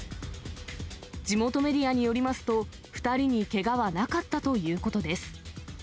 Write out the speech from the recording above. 地元メディアによりますと、２人にけがはなかったということです。